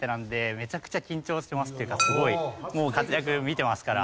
すごい活躍見てますから。